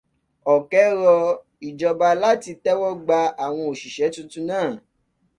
Ọ̀kẹ́ rọ ìjọba láti tẹ́wọ́ gba àwọn òṣìṣẹ́ titun náà.